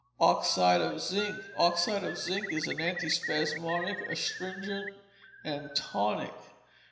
Oxide of Zinc Oxide of Zinc is an antispasmodic, astringent, and tonic.